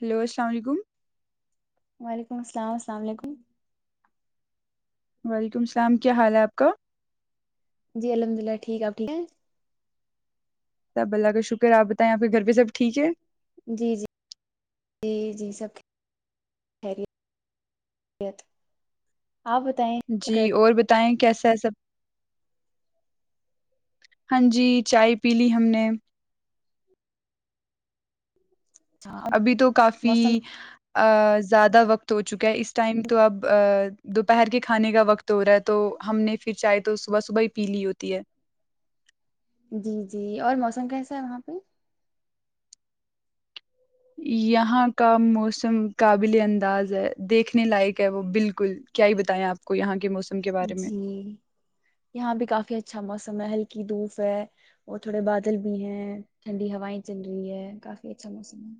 Hello السلام علیکم وعلیکم السلام السلام علیکم وعلیکم السلام کیا حال ہے آپ کا جی الحمد للہ ٹھیک آپ ٹھیک ہیں سب اللہ کا شکر ہے آپ بتائیں آپ کے گھر پہ سب ٹھیک ہے جی جی جی جی سب خریتت جی اور بتائیں کیسے سب ہاں جی چائے پی لی ہم نے اور ابھی تو کافی موسم آ زیادہ وقت ہو چکا ہے اس ٹائم تو اب دوپہر کے کھانے کا وقت ہو رہا ہے تو ہم نے پھر چائےے تو صبح صبح ہی پی لی ہوتی ہے جی جی اور موسم کیسا ہے وہاں پہ یہاں کا موسم قابل انداز ہے دیکھنے لائق ہے وہ بالکل کیا ہی بتائیں آپ کو یہاں کے موسم کے بارے میں جی یہاں بھی کافی اچھا موسم محل کی دھوپ ہے اور تھوڑے بادل بھی ہیں ٹھنڈی ہوائیں چل رہی ہے کافی اچھا موسم ہے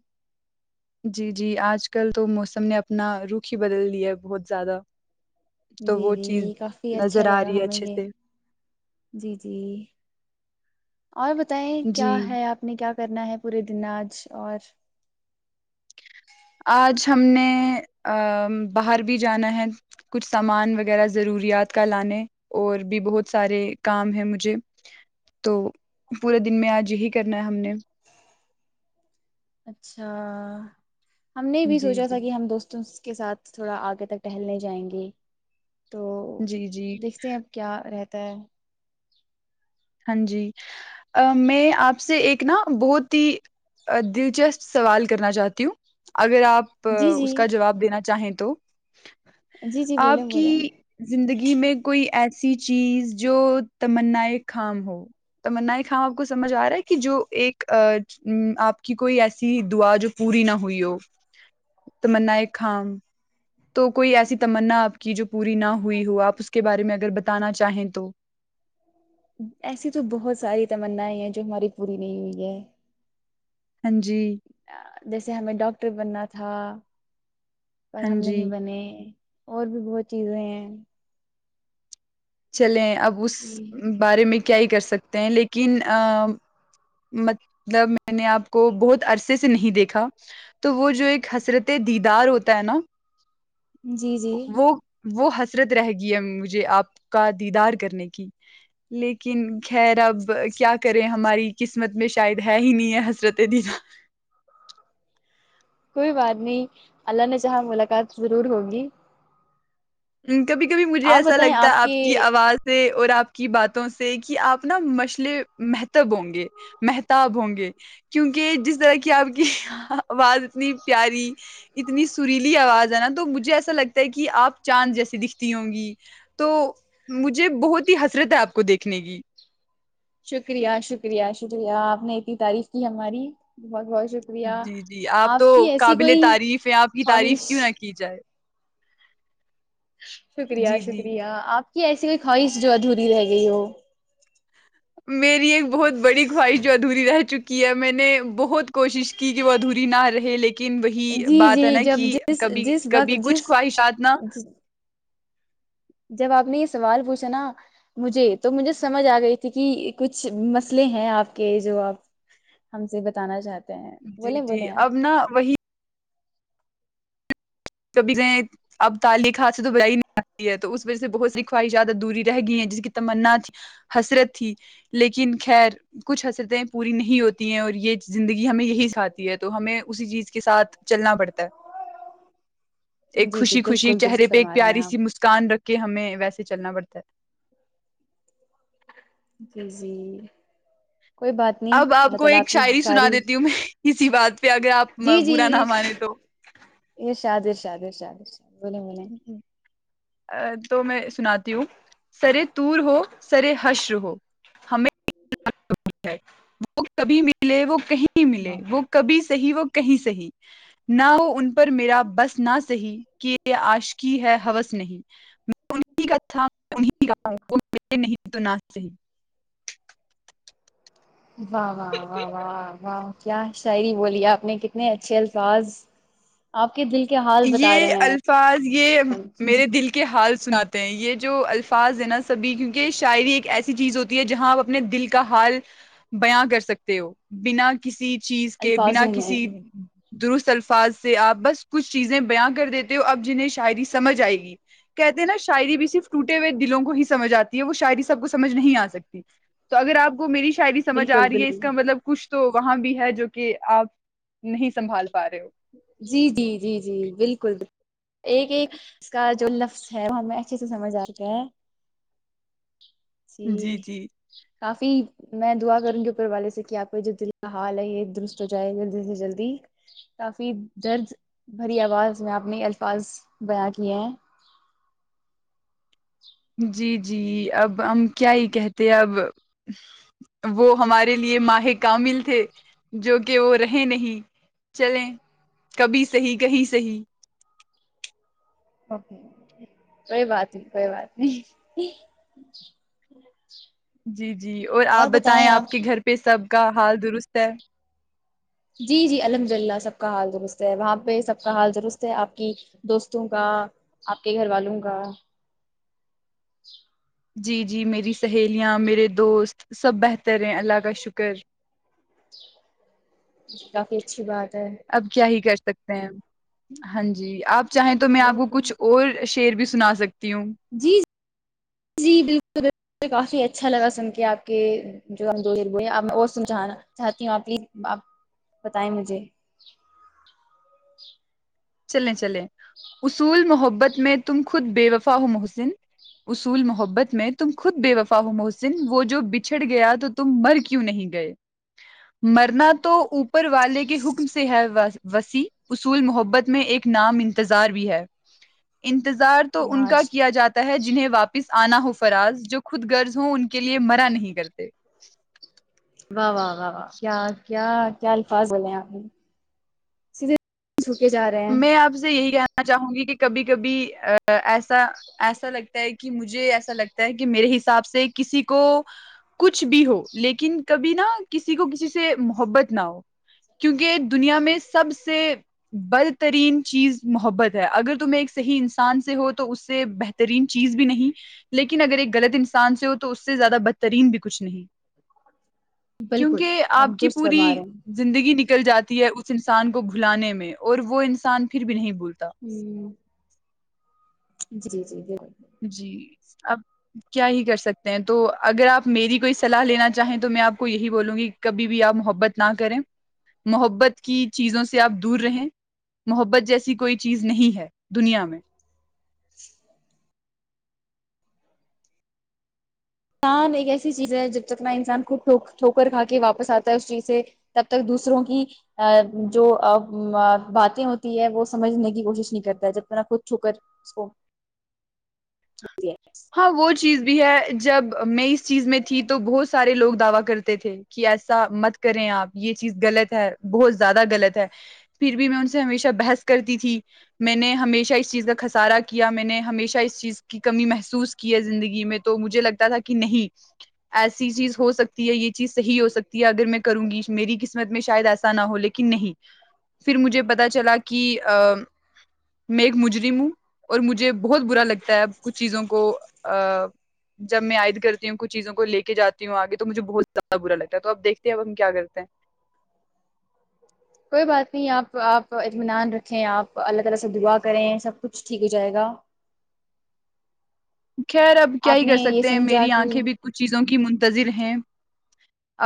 جی جی آج کل تو موسم نے اپنا رخ ہی بدل لیا ہے بہت زیادہ تو جی وہ چیز جی کافی اچھا نظر آ لگا رہی ہے ہمیں اچھے یہ سے جی جی اور بتائیں جی کیا ہے آپ نے کیا کرنا ہے پورے دن آج اور آج ہم نے باہر بھی جانا ہے کچھ سامان وغیرہ ضروریات کا لانے اور بھی بہت سارے کام ہیں مجھے تو پورے دن میں آج یہی کرنا ہے ہم نے اچھا ہم نے بھی جی سوچا تھا جی کہ ہم دوستوں کے ساتھ تھوڑا آگے تک ٹہلنے جائیں گے تو جی جی دیکھتے ہیں اب کیا رہتا [inaudible] ہاں جی میں آپ سے ایک نا بہت ہی دلچسپ سوال کرنا چاہتی ہوں اگر آپ جی اس کا جی جواب دینا چاہیں تو جی جی [inaudible] بولیں آپ کی بولیں زندگی کہ میں کوئی ایسی چیز جو تمنائی خ ہو تمنا خام آپ کو سمجھ آ رہا ہے کہ جو ایک آپ کی کوئی ایسی دعا جو پوری نہ ہوئی ہو تمنا خام تو کوئی ایسی تمنا آپ کی جو پوری نہ ہوئی ہو آپ اس کے بارے میں اگر بتانا چاہیں تو ایسی تو بہت ساری تمنائی ہیں جو ہماری پوری نہیں ہوئی ہے ہاں جی جیسے ہمیں ڈاکٹر بننا تھا پر ہم ہاں جی نہیں بنے اور بھی بہت چیزیں ہیں چلے اب اس جی بارے میں کیا ہی کر سکتے ہیں لیکن ا مطلب میں نے آپ کو بہت عرصے سے نہیں دیکھا تو وہ جو ایک حسرتیں دیدار ہوتا ہے نا جی جی وہ وہ حسرت رہ گی ہے مجھے آپ کا دیدار کرنے کی لیکن خیر اب کیا کریں ہم ہماری قسمت میں شاید ہے ہی نہیں ہے حضرت دیفا کوئی بات نہیں اللہ نے چاہا ملاقات ضرور ہوگی ہ کبھی کبھی مجھے آپ ایسا بتائیں لگتا ہے کے آپ کی آواز سے اور آپ کی باتوں سے کہ آپ نا مشلے محتب ہوں گے محتاب ہوں گے کیونکہ جس طرح کی آپ کی آواز اتنی پیاری اتنی سریلی آواز ہے نا تو مجھے ایسا لگتا ہے کہ آپ چاند جیسی دکھتی ہوں گی تو مجھے بہت ہی حسرت ہے آپ کو دیکھنے کی شکریہ شکریہ شکریہ آپ نے اتنی تعریف کی ہماری بہت بہت شکریہ جی جی آپ تو کی ایسی قابل کوئی تعریف ہیں آپ کی خواہش تعریف کیوں نہ کی جائے شکریہ جی جی شکریہ آپ کہ ایسی کوئی خواہش جو ادھوری رہ گئی ہو میری ایک بہت بڑی خواہش جو ادھی رہ چکی کیا میں نے بہت کوشش کی کہ وہ ادھوری نہ رہے لیکن وہی جی بات جی ہے نا جب کہ جس کبھی جس وقت کبھی کچھ جس خواہشات نا جب آپ نے اس سوال پوچھا نا مجھے تو مجھے سمجھ آ گئی تھی کہ کچھ مسئلے ہیں آپ کے جو آپ ہم سے بتانا چاہتے ہیں جی بولیں جی بولیں آپ اب ن وہی کبھی کہیں اب تعلیخ حاتھ سے تو بڑائی نہیں آتی ہے تو اس وجہ سے بہت سی خواہشیں زیادہ دوری رہ گئی ہیں جس کی تمنا حسرت تھی لیکن خیر کچھ حسرتیں پوری نہیں ہوتی ہیں اور یہ زندگی ہمیں یہی ساتتی ہے تو ہمیں اسی چیز کے ساتھ چلنا پڑتا ہے ایک جی جی خوشی خوشی بالکل چہرے درست پہ ایک فرما رہے ہیں پیاری سی آپ مسکان رکھے ہمیں ویسے چلنا پڑتا ہے کے جی کوئی بات نہیں اب آپ اللہ کو تعالی ایک کی شاعری سنا ساری دیتی ہوں میں کسی بات پہ اگر آپ برا نہ مانے تو یشادد اشادے شادےش [unintelligible] بولیں بولیں تو میں سناتی ہوں سرے تور ہو سرے حشر ہو ہمیں وہ کبھی ملے وہ کہیں نہیں ملے واہ وہ کبھی سے [unintelligible] صحی وہ کہیں صحی نہ وہ ان پر میرا بس نہ صحی کہ آشکی ہے ہوس نہیں ان کا تھا نہیں تو و و و و و کیا شاعری بولی آپ نے کتنے اچھے الفاظ آپ کے دل کے حال بتا یہ رہے ہیں الفاظ یہ میرے دل کے حال سے سناتے ہیں یہ جو الفاظ ہے نا سبھی کیونکہ شاعری ایک ایسی چیز ہوتی ہے جہاں آپ اپنے دل کا حال بیاں کر سکتے ہو بنا کسی چیز کے بنا الفاظوں میں کسی درست الفاظ سے آپ بس کچھ چیزیں بیاں کر دیتے ہو اب جنہیں شاعری سمجھ آئے گی کہتے ہیں نا شاعری بھی سرف ٹوٹے ہوئے دلوں کو ہی سمجھ آتی ہے وہ شاعری سب کو سمج نہیں آ سکتی تو اگر آپ کو میری شاعری سجھ آ بالکل رہی ہے اس بالکل کا مطلب کچھ تو وہاں بھی ہے جو کہ آپ نہیں سنبھال پا رہے ہو جی جی جی جی جی بالکل بالکل ایک ایک اس کا جو لفظ ہے وہ ہمیں اچھے سے سمجھ آتا ہے جی جی کافی میں دعا کروں گی اوپر والے سے کہ آپ کو ج دل کا حال ہے یہ درست ہو جائے جلدی سے جلدی کافی درد بھری آواز میں آپ نے الفاظ بیاں کیے ہیں جی جی اب ہم کیا ہی کہتے ہیں اب وہ ہمارے لیے ماہے کامل تھے جو کہ وہ رہے نہیں چلیں کبھی صحی کہیں صحی ا کوئی بات نہیں کوئی بات نہیں جی جی اور آپ بتائیں آپ کے گھر پہ سب کا حال درست ہے جی جی الحمد للہ سب کا حال درست ہے وہاں پہ سب کا حال درست ہے آپ کی دوستوں کا آپ کے گھر والوں کا جی جی میری سہیلیاں میرے دوست سب بہتر ہیں اللہ کا شکر کافی اچھی بات ہے اب کیا ہی کر سکتے ہیں ہاں جی آپ چاہے تو میں آپ کو بالکل کچھ اور شیر بھی سنا سک ہیں جی جی جی بالکل بالکل کافی اچ اچھا لگا سن کے آپ کے جو ہم دو وہ ہیں آپ اور سن چانا چاہتی ہوں آپ پلیز آپ بتائیں مجھے چلیں چلیں اصول محبت محبت میں تم خود بے وفا ہو محسن اصول محبت میں تم خود بے وفا ہو محسن وہ جو بچھڑ گیا تو تم مر کیوں نہیں گئے مرنا تو اوپر والے کے حکم سے ہے وسیع اصول محبت میں ایک نام انتظار بھی ہے ان انتظار تو ان کا ماش کیا جاتا ہے جو اننہیں واپس آنا ہو فراز جو خود غرض ہووں ان کے لیے مرا نہیں کرتے واہ واہ و و کیا کیا کیا الفاظ بے آپے میں آپ سے یہی کہنا چاہوں گی کہ کبھی کبھی ایسا ایسا لگتا ہے کہ مجھے ایسا لگتا ہے کہ میرے حساب سے کسی کو کچھ بھی ہو لیکن کبھی نہا کسی کو کسی سے محبت نہ ہو کیونکہ دنیا میں سب سے بل بدترین چیز محبت ہے اگر تم ایک صحیح انسان سے ہو تو اس سے بہترین چیز بھی نہیں لیکن اگر ایک غلط انسان سے ہو تو اس سے زیادہ بدترین بھی کچھ نہیں کیونکہ آپ کی درست پوری فرما رہے زندگی نکل جاتی ہے اس انسان کو گھلانے میں اور وہ انسان آسان پھر بھی نہیں بول ہوں جی جی بالک آپ کیا ہی کر سکتے ہیں تو اگر آپ میری کوئی صلاح لینا چاہیں تو میں آپ کو یہی بولوں گی کبھی بھی آپ محبت نہ کریں محبت کی چیزوں سے آپ دور رہیں محبت جیسی کوئی چیز نہیں ہے دنیا میں [inaudible] تان ایک ایسی چیز ہے جب تکنا انسان خود ٹھوکر کھا کے واپس آتا ہے اس چیز سے تب تک دوسروں کی ا جو باتیں ہوتی ہے وہ سمجھنے کی کوشش نہیں کرتا ہے جب تکنا خود ٹھوکر اس کو دیتی ہے۔ ہاں وہ چیز بھی ہے جب میںئی اس چیز میں تھی تو بہت سارے لگ دعوی کر کرتے تھے کہ ایسا مت کریں آپ یہ چیز غلط ہے بہت زیادہ غلط ہے پھر بھی میں ان سے ہمیشہ بحث کرتی تھی میں نے ہمیشہ اس چیز کا خسارا کیا میں نے ہمیشہ اس چیز کی کمی محس محسوس کیا زندگی میں تو مجھے لگتا تھا کہ نہیں ایسی چیز ہو سکتی یہ چیز صحی ہو سکتی ہے اگر میں کروں گی میری قسمت میں شاید ایسا نہ ہو لیکن نہیں پھر مجھے پتا چلا کہ میں ایک مجرم ہوں اور مجھے بہت برا لگتا ہے اب کچھ چیزوں کو ا جب میں عائد کرتی ہوں کچھ چیزوں کو لے کے جاتی ہوں آگے تو مجھے بہت زیادہ برا لگتا ہے تو اب دیکھتے ہیں اب ہم کیا کرتے ہیں کوئی بات نہیں آپ آپ اطمینان رکھیں آپ اللہ تعالی سے دعا کریں سب کچھ ٹھیک ہو جائے گا خیر اب کیا آپ ہی نے کر یہ سکتے ہیں سمجھا میری کہ آنکھیں بھی کوئی کچھ چیزوں کی منتظر ہیں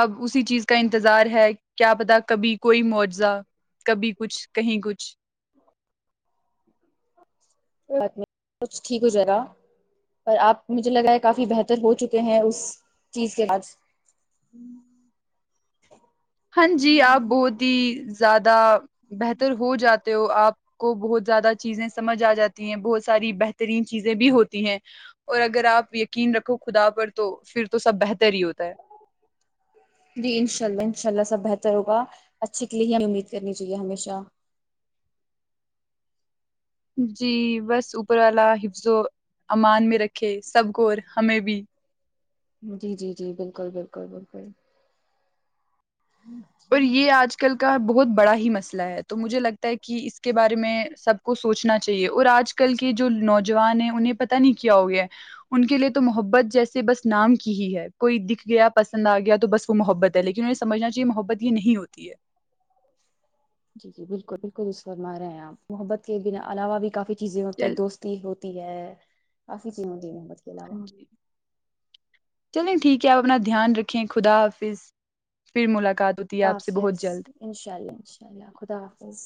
اب اسی چیز کا انتظار ہے کیا پتہ کبھی کوئی معاوضہ کبھی کچھ کہیں کچھ ب کچھ ٹھیک ہو جائے گا پر آپ مجھے لگا ہے کافی بہتر ہو چکے ہیں اس چیز کے بعد ہاں جی آپ بہت ہی زیادہ بہتر ہو جاتے ہو آپ کو بہت زیادہ چیزیں سمجھ آ جاتی ہیں بہت ساری بہترین چیزیں بھی ہوتی ہیں اور اگر آپ یقین رکھو خدا پر تو پھر تو سب بہتر ہی ہوتا ہے جی انشاء اللہ انشاء اللہ سب بہتر ہوگا اچھے کے لیے ہی ہمیں امید کرنی چاہیے ہمیشہ جی بس اوپر والا حفظ و امان میں رکھے سب ور ہمیں بھی جی جی جی بالکل بالکل بالکل اور یہ آج کل کا بہت بڑا ہی مسئلہ ہے تو مجھے لگتا ہے کہ اس کے بارے میں سب کو سوچنا چاہیے اور آج کل کے جو نوجوان ہیں انہیں پتاہ نہیں کیا ہو گیا ہے ان کے لیے تو محبت جیسے بس نام کی ہی ہے کوئی دکھ گیا پسند آ گیا تو بس وہ محبت ہے لیکن انہیں سمجھنا چاہیے محبت نہیں ہوتی ہے جی جی بالکل بالکل اس فرما رہے ہیں آپ محبت کے ب علاوہ بھی کافی چیزیں ہوتی ہے چل دوستی ہوتی ہے کافی چیزوں دی گ ہیں ہاں جی چلو ٹھیک کہ آپ اپنا دھیان رکھیں خدا حافظ پھر ملاقات ہوتی ہے خدا آپ سے حافظ بہت جلد ان شاء اللہ ان شاء اللہ خدا حافظ